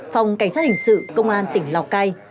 phòng cảnh sát hình sự công an tỉnh lào cai